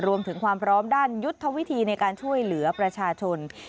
รวมถึงความพร้อมด้านยุทธวิธีในการช่วยเหลือประชาชน